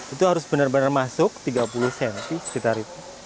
itu harus benar benar masuk tiga puluh cm sekitar itu